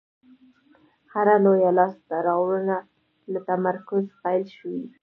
هره لویه لاستهراوړنه له تمرکز پیل شوې.